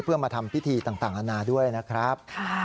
เพื่อมาทำพิธีต่างอาณาด้วยนะครับ